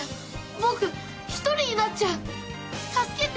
僕１人になっちゃう助けて。